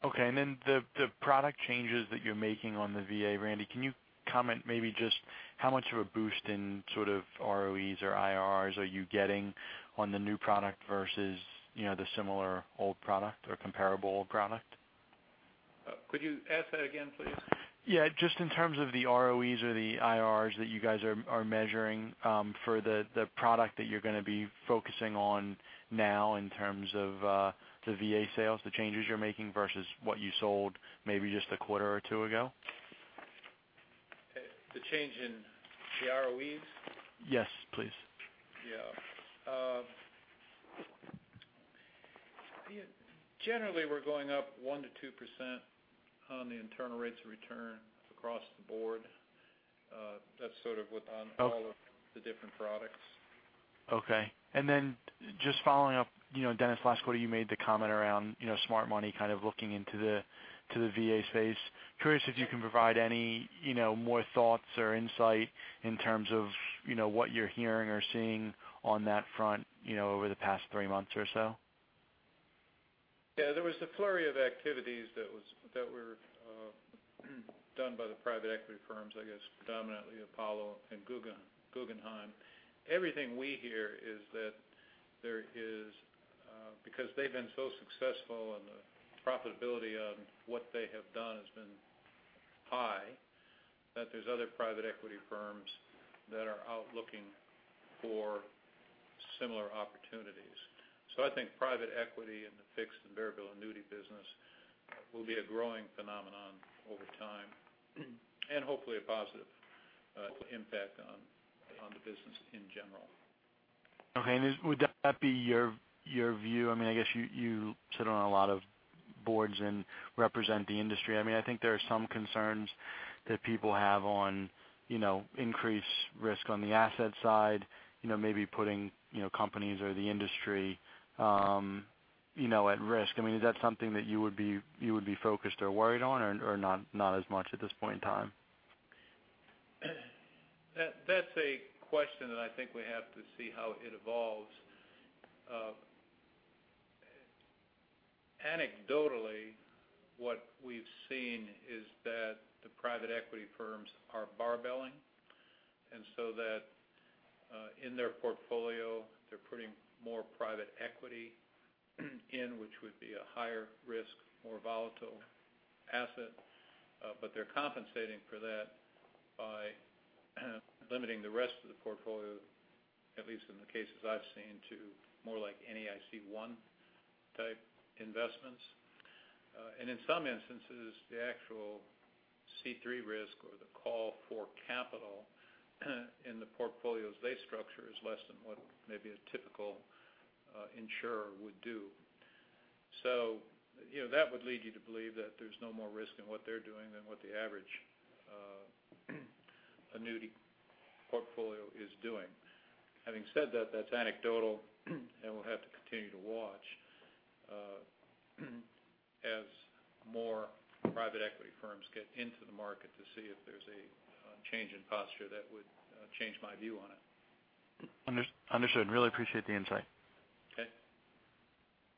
Speaker 10: The product changes that you're making on the VA, Randy, can you comment maybe just how much of a boost in sort of ROEs or IRRs are you getting on the new product versus the similar old product or comparable product?
Speaker 3: Could you ask that again, please?
Speaker 10: Just in terms of the ROEs or the IRRs that you guys are measuring for the product that you're going to be focusing on now in terms of the VA sales, the changes you're making versus what you sold maybe just a quarter or two ago.
Speaker 3: The change in the ROEs?
Speaker 10: Yes, please.
Speaker 3: Yeah. Generally, we're going up 1%-2% on the internal rates of return across the board. That's sort of what on all of the different products.
Speaker 10: Okay. Just following up, Dennis, last quarter you made the comment around smart money kind of looking into the VA space. Curious if you can provide any more thoughts or insight in terms of what you're hearing or seeing on that front over the past three months or so.
Speaker 3: There was a flurry of activities that were done by the private equity firms, I guess predominantly Apollo and Guggenheim. Everything we hear is that there is, because they've been so successful and the profitability of what they have done has been high, that there's other private equity firms that are out looking for similar opportunities. I think private equity in the fixed and variable annuity business will be a growing phenomenon over time and hopefully a positive impact on the business in general.
Speaker 10: Would that be your view? I guess you sit on a lot of boards and represent the industry. I think there are some concerns that people have on increased risk on the asset side, maybe putting companies or the industry at risk. Is that something that you would be focused or worried on, or not as much at this point in time?
Speaker 3: That's a question that I think we have to see how it evolves. Anecdotally, what we've seen is that the private equity firms are bar belling, in their portfolio, they're putting more private equity in, which would be a higher risk, more volatile asset. They're compensating for that by limiting the rest of the portfolio, at least in the cases I've seen, to more like NAIC I type investments. In some instances, the actual C3 risk or the call for capital in the portfolios they structure is less than what maybe a typical insurer would do. That would lead you to believe that there's no more risk in what they're doing than what the average annuity portfolio is doing. Having said that's anecdotal, we'll have to continue to watch as more private equity firms get into the market to see if there's a change in posture that would change my view on it.
Speaker 10: Understood. Really appreciate the insight.
Speaker 3: Okay.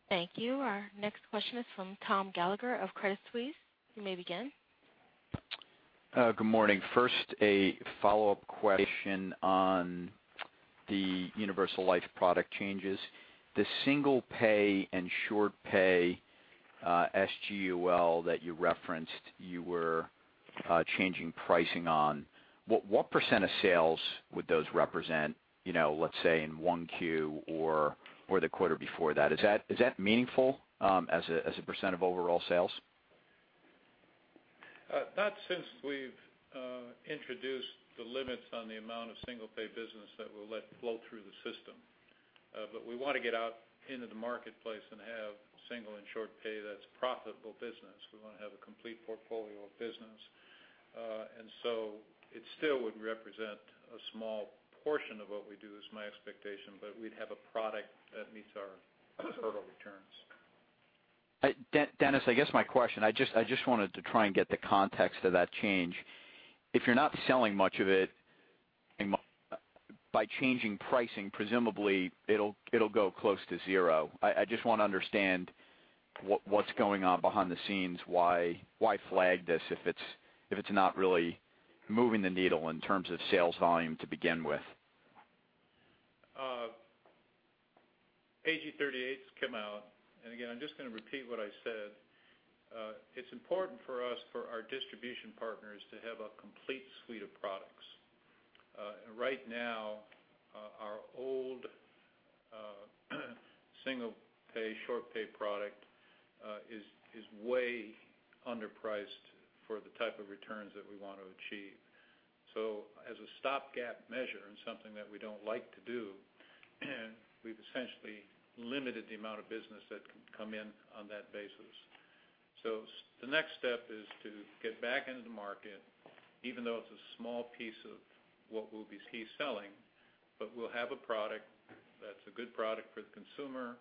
Speaker 1: Thank you. Our next question is from Thomas Gallagher of Credit Suisse. You may begin.
Speaker 11: Good morning. First, a follow-up question on the universal life product changes. The single pay and short pay SGUL that you referenced, you were changing pricing on. What % of sales would those represent, let's say in one Q or the quarter before that? Is that meaningful as a % of overall sales?
Speaker 3: Not since we've introduced the limits on the amount of single pay business that we'll let flow through the system. We want to get out into the marketplace and have single and short pay that's profitable business. We want to have a complete portfolio of business. It still would represent a small portion of what we do, is my expectation, but we'd have a product that meets our total returns.
Speaker 11: Dennis, I guess my question, I just wanted to try and get the context of that change. If you're not selling much of it, by changing pricing, presumably it'll go close to zero. I just want to understand what's going on behind the scenes. Why flag this if it's not really moving the needle in terms of sales volume to begin with?
Speaker 3: AG 38's come out, again, I'm just going to repeat what I said. It's important for us, for our distribution partners, to have a complete suite of products. Right now, our old single pay short pay product is way underpriced for the type of returns that we want to achieve. As a stopgap measure, and something that we don't like to do, we've essentially limited the amount of business that can come in on that basis. The next step is to get back into the market, even though it's a small piece of what we'll be selling, but we'll have a product that's a good product for the consumer.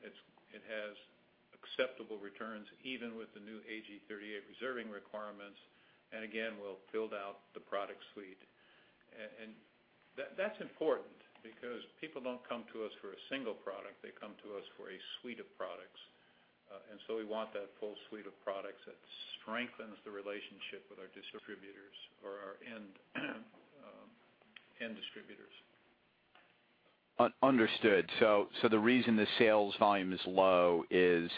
Speaker 3: It has acceptable returns, even with the new AG 38 reserving requirements. Again, we'll build out the product suite. That's important because people don't come to us for a single product. They come to us for a suite of products. We want that full suite of products that strengthens the relationship with our distributors or our end distributors.
Speaker 11: Understood. The reason the sales volume is low is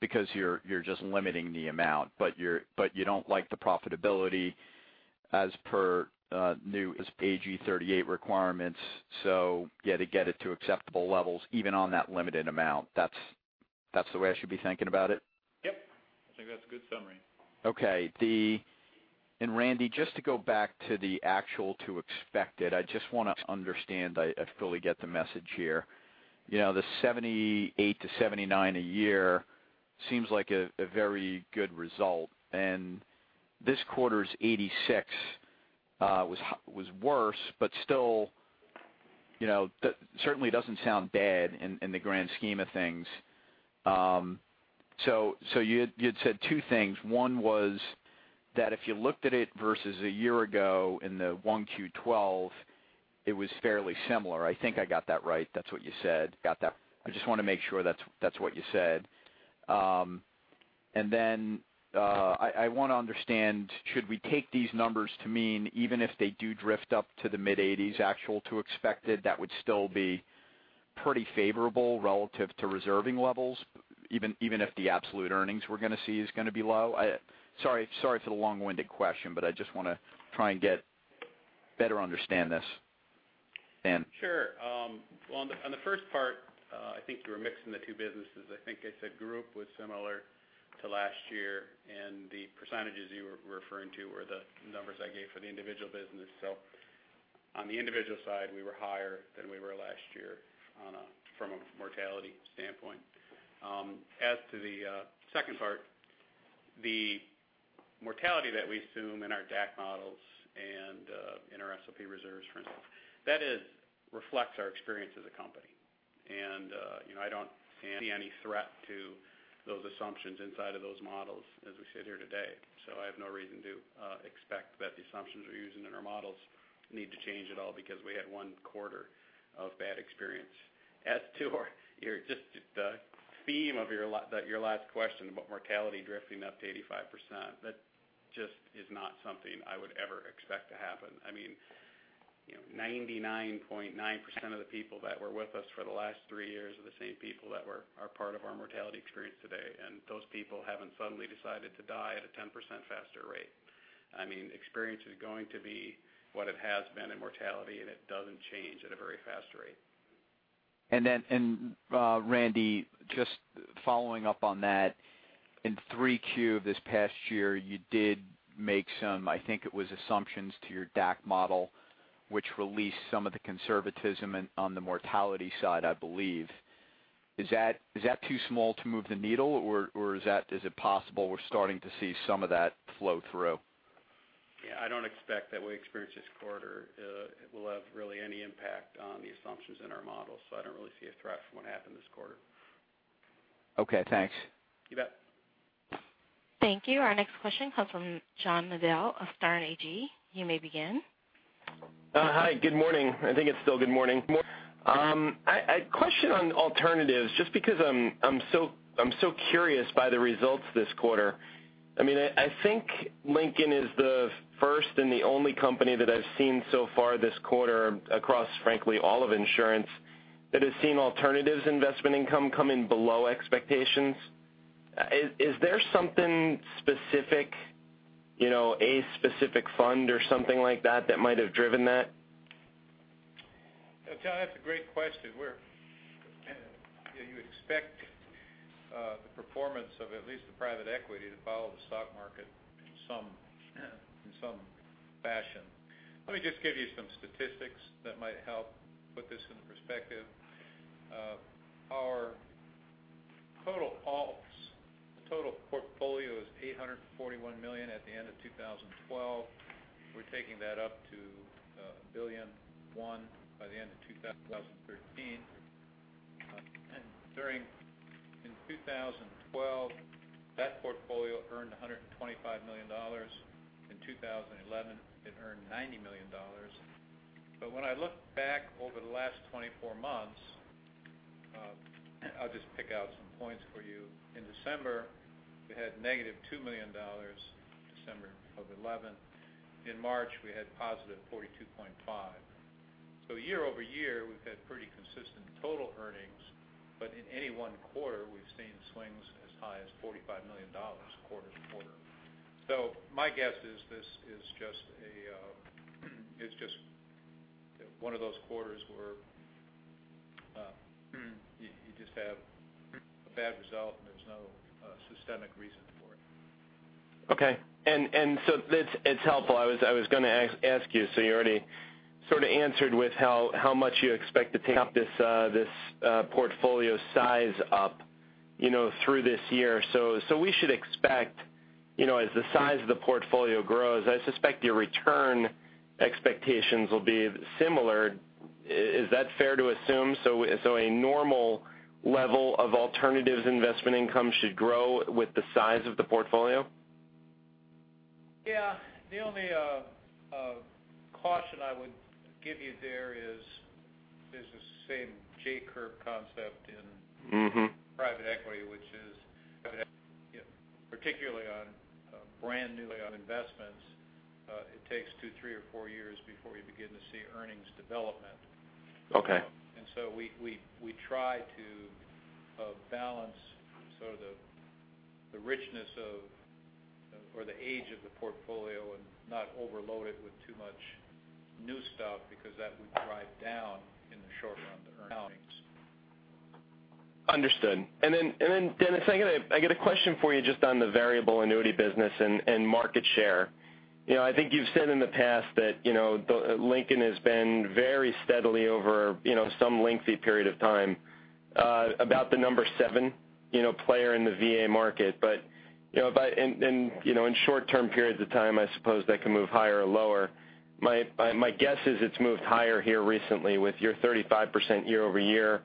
Speaker 11: because you're just limiting the amount, but you don't like the profitability as per new AG 38 requirements. You had to get it to acceptable levels, even on that limited amount. That's the way I should be thinking about it?
Speaker 3: Yep. I think that's a good summary.
Speaker 11: Okay. Randy, just to go back to the actual to expected, I just want to understand, I fully get the message here. The 78%-79% a year seems like a very good result, and this quarter's 86% was worse, but still, certainly doesn't sound bad in the grand scheme of things. You had said two things. One was that if you looked at it versus a year ago in the Q1 2012, it was fairly similar. I think I got that right. That's what you said. I just want to make sure that's what you said. Then I want to understand, should we take these numbers to mean, even if they do drift up to the mid-80s% actual to expected, that would still be pretty favorable relative to reserving levels, even if the absolute earnings we're going to see is going to be low? Sorry for the long-winded question, I just want to try and better understand this. Randy.
Speaker 4: Sure. Well, on the first part, I think you were mixing the two businesses. I think I said group was similar to last year, the percentages you were referring to were the numbers I gave for the individual business. On the individual side, we were higher than we were last year from a mortality standpoint. As to the second part, the mortality that we assume in our DAC models and in our SOP reserves, for instance, that reflects our experience as a company. I don't see any threat to those assumptions inside of those models as we sit here today. I have no reason to expect that the assumptions we're using in our models need to change at all because we had one quarter of bad experience. As to the theme of your last question about mortality drifting up to 85%, that just is not something I would ever expect to happen. 99.9% of the people that were with us for the last three years are the same people that are part of our mortality experience today, those people haven't suddenly decided to die at a 10% faster rate. Experience is going to be what it has been in mortality, it doesn't change at a very fast rate.
Speaker 11: Randy, just following up on that In three Q this past year, you did make some, I think it was assumptions to your DAC model, which released some of the conservatism on the mortality side, I believe. Is that too small to move the needle, or is it possible we're starting to see some of that flow through?
Speaker 4: Yeah, I don't expect that we experience this quarter will have really any impact on the assumptions in our model. I don't really see a threat from what happened this quarter.
Speaker 11: Okay, thanks.
Speaker 3: You bet.
Speaker 1: Thank you. Our next question comes from John Nadel of Sterne Agee. You may begin.
Speaker 12: Hi, good morning. I think it's still good morning. A question on alternatives, just because I'm so curious by the results this quarter. I think Lincoln is the first and the only company that I've seen so far this quarter across, frankly, all of insurance, that has seen alternatives investment income come in below expectations. Is there something specific, a specific fund or something like that that might have driven that?
Speaker 3: John, that's a great question, where you would expect the performance of at least the private equity to follow the stock market in some fashion. Let me just give you some statistics that might help put this into perspective. Our total portfolio was $841 million at the end of 2012. We're taking that up to $1.1 billion by the end of 2013. During 2012, that portfolio earned $125 million. In 2011, it earned $90 million. When I look back over the last 24 months, I'll just pick out some points for you. In December, we had negative $2 million, December of 2011. In March, we had positive $42.5 million. Year-over-year, we've had pretty consistent total earnings, but in any one quarter, we've seen swings as high as $45 million quarter to quarter. My guess is this is just one of those quarters where you just have a bad result, and there's no systemic reason for it.
Speaker 12: Okay. It's helpful. I was going to ask you already sort of answered with how much you expect to take up this portfolio size up through this year. We should expect as the size of the portfolio grows, I suspect your return expectations will be similar. Is that fair to assume? A normal level of alternatives investment income should grow with the size of the portfolio?
Speaker 3: Yeah. The only caution I would give you there is this the same J-curve concept in- private equity, which is, particularly on brand new on investments, it takes two, three, or four years before you begin to see earnings development.
Speaker 12: Okay.
Speaker 3: We try to balance sort of the richness of, or the age of the portfolio and not overload it with too much new stuff, because that would drive down, in the short run, the earnings.
Speaker 12: Understood. Dennis, I get a question for you just on the variable annuity business and market share. I think you've said in the past that Lincoln has been very steadily over some lengthy period of time, about the number 7 player in the VA market. In short-term periods of time, I suppose that can move higher or lower. My guess is it's moved higher here recently with your 35% year-over-year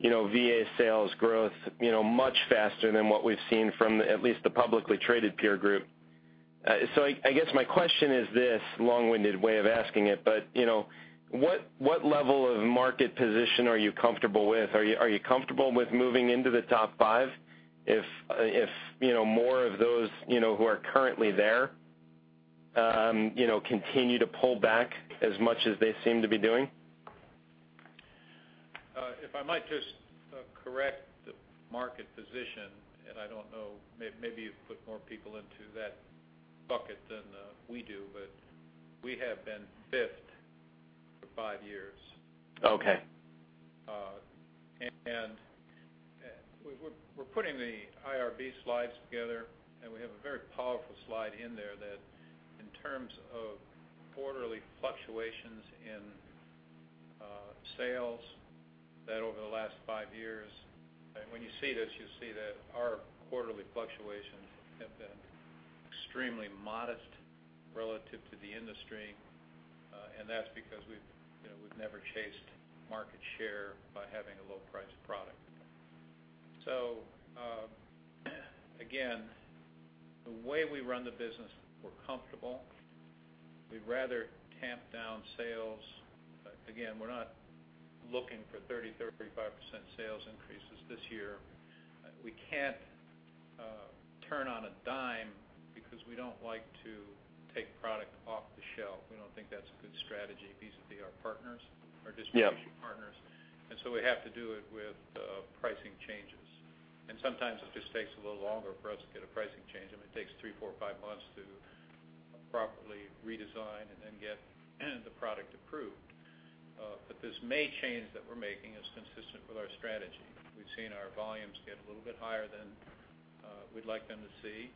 Speaker 12: VA sales growth, much faster than what we've seen from at least the publicly traded peer group. I guess my question is this long-winded way of asking it, but what level of market position are you comfortable with? Are you comfortable with moving into the top 5 if more of those who are currently there continue to pull back as much as they seem to be doing?
Speaker 3: If I might just correct the market position, and I don't know, maybe you put more people into that bucket than we do, but we have been fifth for five years.
Speaker 12: Okay.
Speaker 3: We're putting the IRB slides together, and we have a very powerful slide in there that in terms of quarterly fluctuations in sales, that over the last five years, when you see this, you'll see that our quarterly fluctuations have been extremely modest relative to the industry. That's because we've never chased market share by having a low-price product. Again, the way we run the business, we're comfortable. We'd rather tamp down sales. Again, we're not looking for 30, 35% sales increases this year. We can't turn on a dime because we don't like to take product off the shelf. We don't think that's a good strategy vis-à-vis our partners, our distribution.
Speaker 12: Yeah.
Speaker 3: partners. So we have to do it with pricing changes. Sometimes it just takes a little longer for us to get a pricing change. I mean, it takes three, four, five months to properly redesign and then get the product approved. This may change that we're making is consistent with our strategy. We've seen our volumes get a little bit higher than we'd like them to see.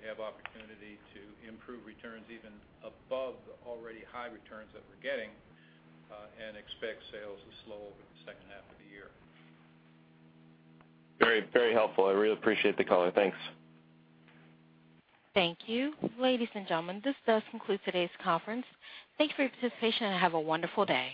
Speaker 3: We have opportunity to improve returns even above the already high returns that we're getting, and expect sales to slow over the second half of the year.
Speaker 12: Very helpful. I really appreciate the color. Thanks.
Speaker 1: Thank you. Ladies and gentlemen, this does conclude today's conference. Thank you for your participation and have a wonderful day.